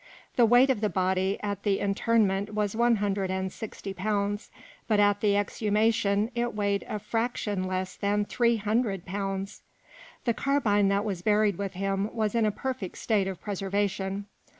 The weight of the body at the interment was one hundred and sixty pounds, but at the exhumation it weighed a fraction less than three hundred pounds. The carbine that was buried with him was in a perfect state of preservation.